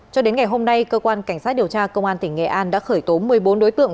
cho đến ngày hôm nay cơ quan cảnh sát điều tra công an tỉnh nghệ an đã khởi tố một mươi bốn đối tượng